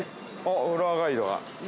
フロアガイドが。